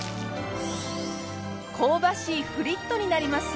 香ばしいフリットになりますよ。